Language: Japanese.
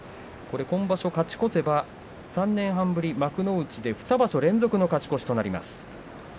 今場所勝ち越せば３年半ぶり幕内で２場所連続の勝ち越しとなります。